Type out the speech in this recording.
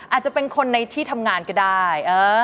อาจจะเป็นคนในที่ทำงานก็ได้